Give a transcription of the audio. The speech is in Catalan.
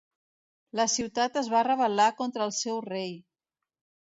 La ciutat es va rebel·lar contra el seu rei.